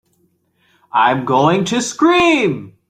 I'm going to scream!